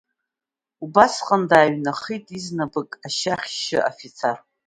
Убасҟан дааҩнаххит, изнапык ашьа ахьшы афицар.